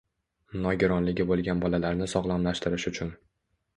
Nogironligi bo‘lgan bolalarni sog‘lomlashtirish uchun